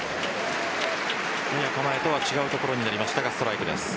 やや構えとは違うところになりましたがストライクです。